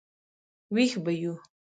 وېښ به یو.